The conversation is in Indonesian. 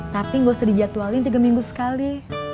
tapi nggak usah dijadwalin tiga minggu sekali